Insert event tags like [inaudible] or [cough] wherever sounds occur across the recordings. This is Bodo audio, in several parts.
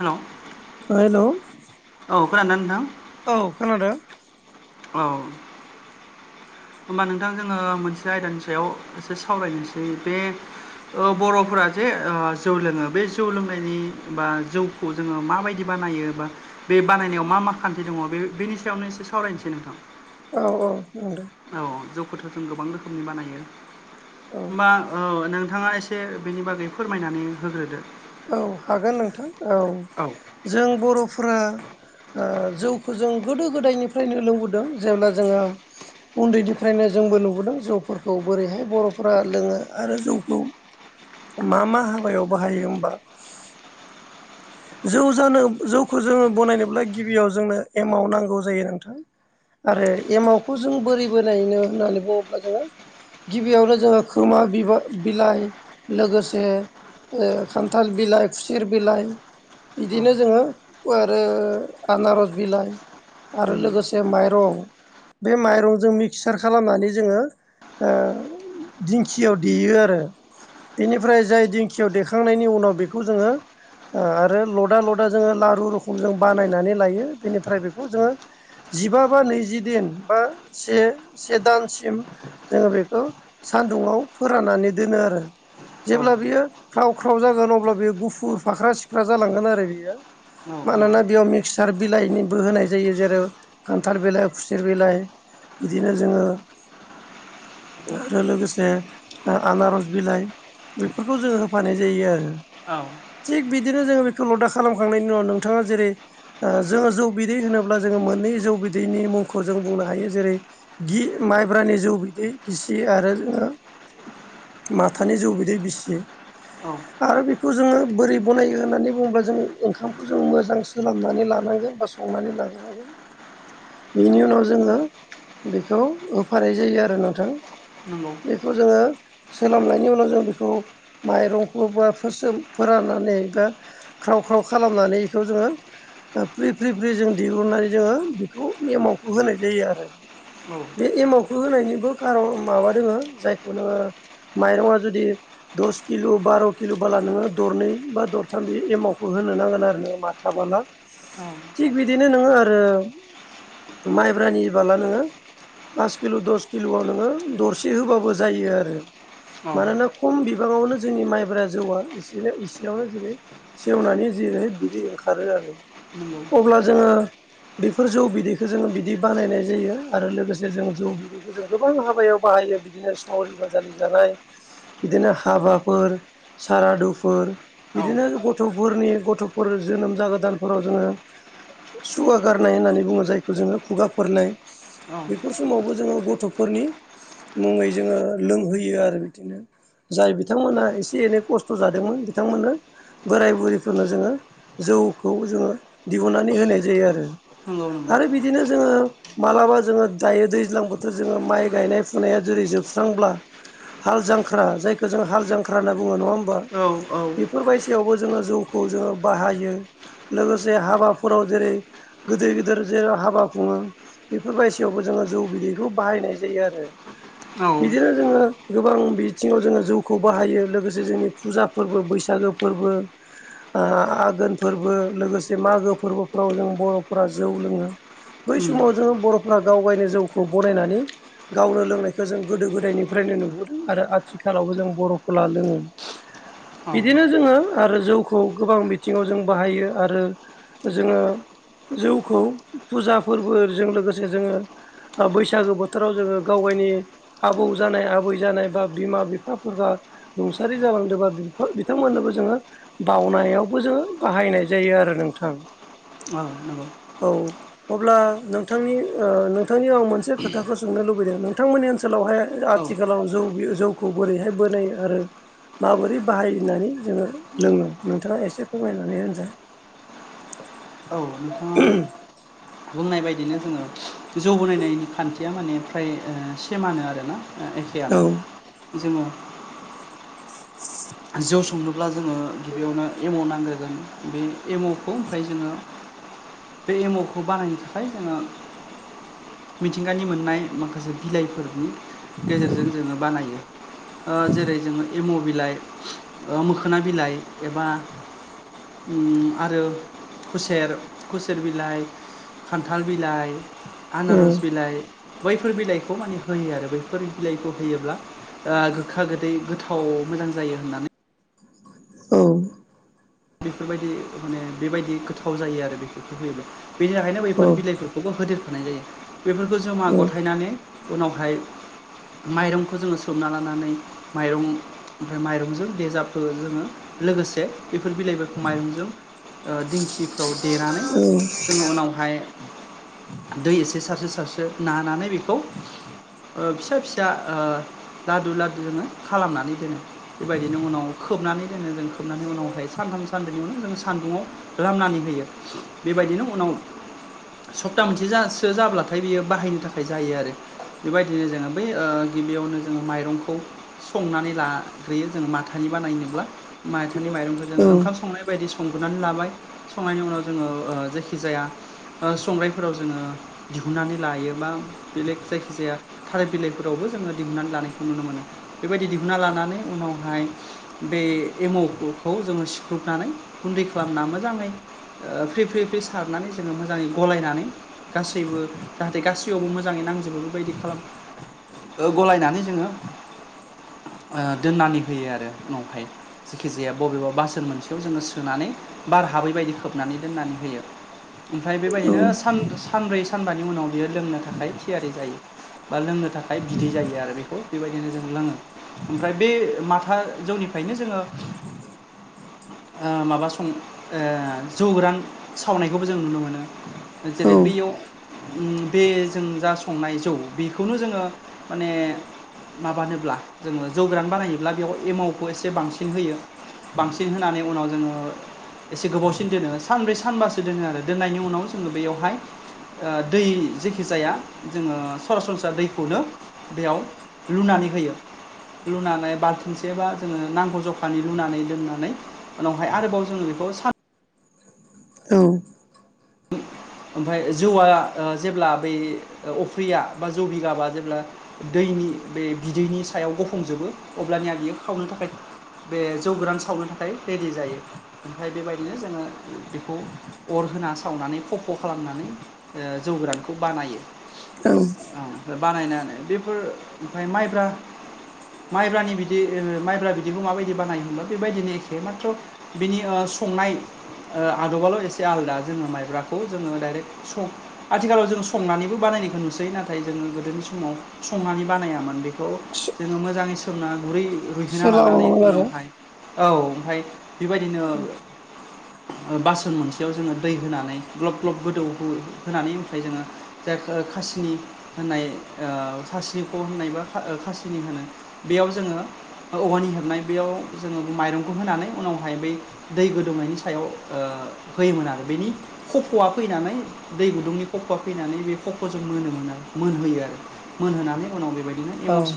हेल' हेल' औ खोनादों नोंथां? औ खोनादों। औ होमबा नोंथां जोङो मोनसे आयदानि सायाव एसे सावरायनोसै बे बर'फोरा जे जौ लोङो बे जौ लोंनायनि बा जौ खौ जोङो माबायदि बानायो बा बे बानायनायाव मा मा खान्थि दङ बे बेनि सायावनो एसे सावरायनोसै नोंथां। औ औ बुं दे औ जौखौथ जों गोबां रोखोमनि बानायो औ होमबा औ नोंथाङा एसे बेनि बागै फोरमायनानै होग्रोदो। औ हागोन नोंथां औ औ जों बर'फोरा ओ जौखौ जों गोदो गोदायनिफ्रायनो लोंबोदों जेब्ला जोङो उन्दैनिफ्रायनो जोंबो नुबोदों जौफोरखौ बोरैहाय बर'फोरा लोङो आरो जौखौ मा मा हाबायाव बाहायो होमबा जौ जानो जौखौ जोङो बानायनोब्ला गिबियाव जोंनो एमाव नांगौ जायो नोंथां। आरो एमावखौ जों बोरै ब नायनो होननानै बुङोब्ला जोङो गिबियावनो जोङो खोमा बिलाइ लोगोसे ओ खान्थाल बिलाइ खुसेर बिलाइ औ बिदिनो जोङो आरो आनारस बिलाइ आरो उम लोगोसे माइरं बे माइरंजों मिक्सार खालामनानै जोङो ओ दिंखियाव देयो आरो बेनिफ्राय जाय दिंखियाव देखांनायनि उनाव बेखौ जोङो आरो लदा लदा जोङो लारु रोखोम जों बानायनानै लायो बेनिफ्राय बेखौ जोङो जिबा बा नैजि दिन बा से से दानसिम जोङो बेखौ सान्दुंङाव फोराननानै दोनो आरो औ जेब्ला बियो ख्राव ख्राव जागोन अब्ला बियो गुफुर फाख्रा सिख्रा जालांगोन आरो बियो मानोना बेयाव मिक्सार बिलाइनिबो होनाय जायो जेरै खान्थाल बिलाइ खुसेर बिलाइ बिदिनो जोङो आरो लोगोसे आनारस बिलाइ बेफोरखौ जों होफानाय जायो आरो औ थिग बिदिनो जोङो बेखौ लदा खालामखांनायनि उनाव नोंथाङा जेरै जोङो जौ बिदै होनोब्ला जोङो मोननै जौ बिदैनि मुंखौ जों बुंनो हायो जेरै गि माइब्रानि जौ बिदै गिसि आरो जोङो माथानि जौ बिदै बिसियो औ आरो बेखौ जोङो बोरै बानायो होननानै बुङोब्ला जों ओंखामखौ जों मोजां सोमनानै लानांगोन बा संनानै लाग्रोनांगोन बेनि उनाव जोङो बेखौ होफानाय जायो आरो नोंथां नंगौ बेखौ जोङो सोलोंनायनि उनाव जों बेखौ माइरंखौ बा फोरान एबा ख्राव ख्राव खालामनानै इखौ जोङो फ्रि फ्रि फ्रि जों दिहुननानै जोङो बेखौ एमावखौ होनाय जायो आरो औ बे एमावखौ होनायनिबो कारन माबा दोङो जायखौ नोङो माइरङा जुदि दस किल' बार' किल' बोला नोङो दरनै बा दरथाम बे एमावखौ होनो नांगोन आरो नोङो मा थाबाला औ थिग बिदिनो नोङो आरो माइब्रानि बाला नोङो पास किल दस किलआव नोङो दरसे होबाबो जायो आरो औ मानोना खम बिबाङावनो जोंनि माइब्रा जौआ इसेनो सियावनो जेरै सेवनानै जेरैहा बिदि ओंखारो आरो नंगौ अब्ला जोङो बेफोर जौ बिदैखौ जोङो बिदि बानायनाय जायो आरो लोगोसे जों जौ बिदै बेखौ जों गोबां हाबायाव बाहायो बिदिनो सावरि बादालि जानाय बिदिनो हाबाफोर सारादुफोर औ बिदिनो गथ' गथ'फोरनि गथ'फोर जोनोम जागोदानफोराव जोङो सुवा गारनाय होननानै बुङो जायखौ जोङो खुगाफोरनाय औ बेफोर समावबो जोङो गथ'फोरनि मुङै जोङो लोंहोयो आरो बिदिनो जाय बिथांमोनहा एसे एनै खस्थ' जादोंमोन बिथांमोननो बोराय बुरैफोरनो जोङो जौखौ जोङो दिहुननानै होनाय जायो आरो नंगौ नंगौ आरो बिदिनो जोङो मालाबा जोङो दायो दैज्लां बोथोर जोङो माइ गायनाय फुनाया जोबस्रांब्ला हाल जांख्रा जायखौ जों हाल जांख्रा होनना बुङो नङा होमबा औ औ बेफोरबायदियावबो जोङो जौखौ जोङो बाहायो लोगोसे हाबाफोराव जेरै गोदै गेदेर जेराव हाबा बुङो बेफोर बायदियावबो जोङो जौ बिदैखौ बाहायनाय जायो आरो औ बिदिनो जोङो गोबां बिथिङाव जोङो जौखौ बाहायो लोगोसे जोंनि फुजा फोरबो बैसागो फोरबो आघोन फोरबो लोगोसे मागो फोरबोफोराव जों बर'फोरा जौ लोङो बै उम समाव जोङो बर'फोरा गाव गायनो जौखौ बनायनानै गावनो लोंनायखौ जों गोदो गोदायनिफ्रायनो नुबोदों आरो आथिखालावबो जों बर'फोरा लोङो औ बिदिनो जोङो आरो जौखौ गोबां बिथिङाव जों बाहायो आरो जोङो जौखौ फुजा फोरबोजों लोगोसे जोङो बैसागो बोथोराव जोङो गाव गायनि आबौ जानाय आबै जानाय बा बिमा बिफाफोरबा रुंसारि जालांदोंबा बिथांमोननोबो जोङो बावनायावबो जोङो बाहायनाय जायो आरो नोंथां। औ नंगौ औ अब्ला नोंथांनि नोंथांनि आं मोनसे खोथाखौ स सोंनो लुबैदों नोंथांमोननि ओनसोलावहाय औ आथिखालाव जौ जौ बोरैहाय बोनो आरो माबोरै बाहायनानै जोङो लोंनांगौ नोंथाङा एसे फोरमायनानै होदो। औ नोंथाङा बुंनाय बदिनो जोङो जौ बोननायनि खान्थिया माने फ्राय सेमानो आरोना। फयानो औ जोङो [inaudible] जौ संनोब्ला जोङो गिबियावनो एम' नांग्रोगोन बे एम'खौ ओमफ्राय जोङो बे एम अ खौ बानायनो थाखाय जोङो मिथिंगानि मोननाय माखासे बिलाइफोरनि गेजेरजों जोङो बानायो ओ जेरै जोङो एम' बिलाइ मोखोना बिलाइ एबा आरो खुसेर खुसेर बिलाइ खान्थाल बिलाइ ओ आनारस बिलाइ बैफोर बिलाइखौ माने होयो आरो बैफोर बिलाइखौ होयोब्ला ओ गोखा गोदै गोथाव मोजां जायो होननानै औ बेफोरबायदि माने बेबायदि गोथाव जायो आरो बेफोरखौ होयोबब्ला बेनि थाखायनो औ बैफोर बिलाइ बेबो होदेरफानाय जायो बेफोरखौ जमा गथायनानै उनावहाय माइरंखौ जोङो सोमना लानानै माइरं ओमफ्राय माइरंजों बे जाबखौ जोङो लोगोसे बेफोर बिलाइबो माइरंजों दिंखिफ्राव देनानै औ जोङो उनावहाय दै एसे सारसो सारसो नानानै बेखौ ओ फिसा फिसा ओ लादु लादु जोङो खालामनानै दोनो। बेबायदिनो उनाव खोबनानै दोनो जों खोबनानै उनावहाय सानथामसो सान्दोनियावनो जों सान्दुङआव खालामनानै होयो बेबायदिनो उनाव सप्ता मोनसेसो जाब्लाथाय बियो बाहायनो थाखाय जायो आरो। बेबायदिनो जोङो बै सिख्लाया ओ गिबियावनो जोङो माइरंखौ संनानै लाग्रोयो जोङो माथानि बाानायनायनोब्ला माथानि माइंखौ जोङो औ ओंखाम सं संनाय बायदि संबोनानै लाबाय संनायनि उनाव जोङो जायखि जाया संग्रफोराव जोङो दिहुननानै लायो बा बेलेग जायखिजाया थारिर बिलाइफोरावबो जोङो दिहुननानै लानायखौ नुनो मोनो बेबायदि दिहुना लानानै उनावहाय बे एमौखौ जोङो सिख्रुबनानै गुन्दै खालामना मोजाङै फ्रि फ्रि फ्रि सारनानै जोङो मोजाङै गलायनानै गासैबो जाहाथे गासैयावबो मोजाङै नांजोबो बेबायदि खालाम गलायनानै जोङो औ दोननानै होयो आरो उनावहाय जेखि जाया बबेबा बसोन मोन सियाव जोङो सोनानै बार हाबै बायदि खोबनानै दोननानै होयो। ओमफ्राय बेबायदिनो स सानब्रै सानबानि उनाव बियो लोंनो थाखाय थियारि जायो। बा लोंनो थाखाय बिदै जायो आरो बेखौ बेबायदिनो जों लोङो। ओमफ्राय बे माथा जौनिफ्रायनो जोङो ओ माबा सं जौगोरां सावनायखौबो जों नुनो मोनो। जेरै औ बैयाव बे जों जा संनाय जौ बेखौनो जोङो माने माबानोब्ला जोङो जौगोरान बानायोब्ला बेयाव एमावखौ एसे बांसिन होयो। न होनानै उनाव जोङो एसे गोबावसिन दोनो सानब्रै सानबासो दोनो आरो दोननायनि उनाव जोङो बेयावहाय दै जेखि जाया जोङो सरासनस्रा दैखौनो बेयाव लुनानै होयो लुनानै बाल्थिंसे बा जोङो नांगौ जखानि लुनानै लोंनानै उनावहाय आरोबाव जोङो बेखौ स औ ओमफ्राय जौआ जेब्ला बै अफ्रिया बा जौ बिगाबा जेब्ला दैनि बे बिदैनि सायाव गफंजोबो अब्लानि आं बियो खावनो थाखाय बे जौ गोरान सावनो थाखाय रेडि जायो ओमफ्राय बेबायदिनो जोङो बेखौ अर होना सावनानै खफ' खालामनानै जौ गोरानखौ बानायो औ बानायना बेफोर ओमफ्राय माइब्रा माइब्रानि बिदि माइब्रा बिदिबो माबायदि बानायो होनब्ला बेबायदिनो एखे माथ्र' बिनि संनाय आदबाल' एसे आलादा जोङो माइब्राखौ जोङो डाइरेक्ट सं आथिखालाव जों संनानैबो बानायनायखौ नुसै नाथाय जोङो गोदोनि समाव संनानै बानायामोन बेखौ जोङो मोजाङै सोमना गुरै रुयहोना लानानै सोलाबोमोन आरो उनावहाय औ ओमफाय बिबायदिनो ओ बासोन मोनसेयाव जोङो दै होनानै ग्लब ग्लब गोदौ हो होनानै ओमफ्राय जोङो जाय खो खासिनि होननाय ओ खासि ख' होननाय बा ओ खा खासिनि होनो बेयाव जोङो औवानि हेबनाय बेयाव जोङो माइरंखौ होनानै उनावहाय बै दै गोदौनायनि सायाव ओ होयोमोन आरो बेनि खफ'आ फैनानै दै गुदुंनि खफ'आ फैनानै बे खफ' जों मोनोमोन आरो मोनहोयो आरो मोनहोनानै उनाव बेबायदि बिदिनो औ एमस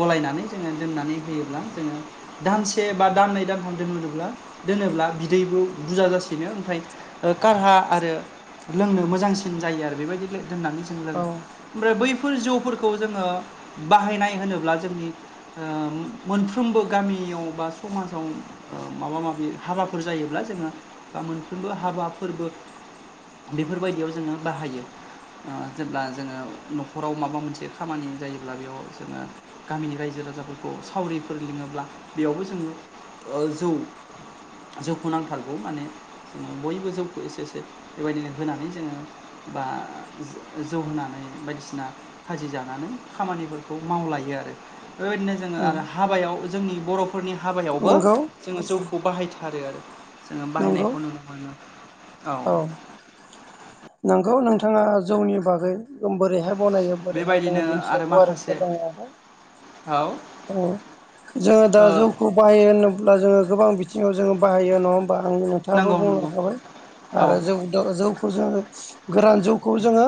गलायनानै जोङो लोमनानै होयोब्ला जोङो दानसे बा दाननै दानथाम दोनोब्ला बिदैबो बुरजा जासिनो ओमफ्राय कारहा आरो लोंनो मोजांसिन जायो आरो बेबायदि दोननानै जों लोङो औ ओमफ्राय बैफोर जौफोरखौ जोङो बाहायनाय होनोब्ला जोंनि मोनफ्रोमबो गामियाव बा समाजाव माबा माबि हाबाफोर जायोब्ला जोङो बा मोनफ्रोमबो हाबा फोरबो बेफोरबायदियाव जोङो बाहायो। ओ जेब्ला जोङो न'खराव माबा मोनसे खामानि जायोब्ला बेयाव जोङो गामिनि रायजो राजाफोरखौ सावरिफोर लिङोब्ला बेयावबो जोङो ओ जौ जौखौ नांथारगौ माने जों बयबो जौखौ एसे एसे बेबायदिनो होनानै जोङो बा जो जौ होनानै बायदिसिना खाजि जानानै खामानिफोरखौ मावलायो आरो बेबायदिनो जोङो औ आरो हाबायाव जोंनि बर'फोरनि हाबायावबो नंगौ जोङो जौखौ बाहायथारो आरो जोङो नंगौ बाहायनायखौ नुनो मोनो औ नोंगौ नोंथाङा जौनि बागै बोरैहाय बनायो बोरैहाय बेबायदिनो लोङो बिनि आरो सायाव गुवारै माखासे फोरमाय लांबाय औ औ जोङो दा ओ जौखौ बाहायो होनोब्ला जोङो गोबां बिथिङाव बाहायो नङा होमबा आं नों थाङाबो नंगौ बुंलां नंगौ खाबाय औ आरो जौ दा जौखौ जोङो गोरान जौखौ जोङो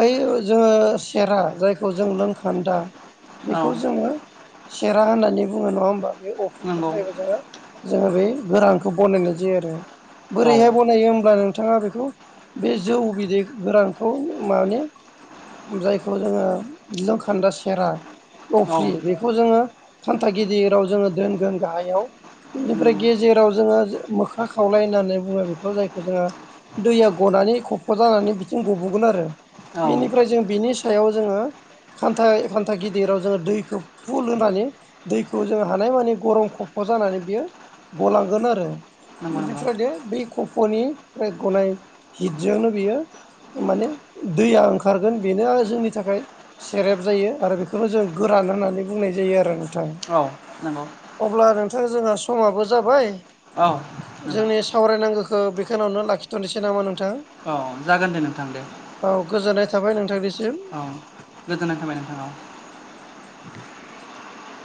बै जोङो सेरा जायखौ जों लोंखान्दा औ बेखौ जोङो सेरा होननानै बुङो नङा होमबा बे नंगौ अफ्रिनिफ्रायबो जोङो जोङो बे गोरानखौ बनायनाय जायो आरो औ बोरैहाय बनायो होमब्ला नोंथाङा बेखौ बे जौ बिदै गोरानखौ माने जायखौ जोङो लोंखान्दा सेरा नंगौ औ अफ्रि बेखौ जोङो खान्था गिदिराव जोङो दोनगोन गाहायाव बिनिफ्राय गेजेर राव जोङो मोख्रा खावलाय होननानै बुङो बेखौ जायखौ जोङो दैया गनानै ख ज' जानानै बि थिंखौ बुगोन आरो बिनिफ्राय जों बिनि सायाव जोङो खान्थाय खान्था गिदिराव जोङो दैखो फुल होनानै दैखौ जों हानाय मानि गरम खफ' जानानै बियो गलांगोन आरो नंगौ नंगौ बिनिफ्राय दे बै कफ'नि बे गनाय हिटजोंनो बियो माने दैया ओंखारगोन बेनो आ जोंनि थाखाय सेरेब जायो आरो बेखौबो जों गोरान होननानै बुंनाय जायो आरो नोंथां। औ नोंगौ। अब्ला नोंथां जोंहा समाबो जाबाय। औ नोंथां जोंनि सावराय नांगोखो बे खोनावनो लाखि थ'नोसै नामा नोंथां? औ जागोन दे नोंथां दे औ गोजोननाय थाबाय नोंथांनिसिम। औ गोजोननाय थाबाय नोंथां औ।